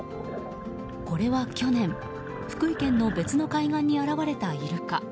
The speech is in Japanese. これは去年福井県の別の海岸に現れたイルカ。